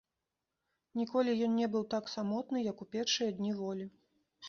Ніколі ён не быў так самотны, як у першыя дні волі.